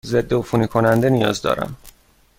ضدعفونی کننده نیاز دارم.